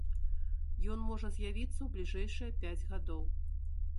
Ён можа з'явіцца ў бліжэйшыя пяць гадоў.